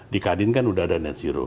di kadin kan udah ada net zero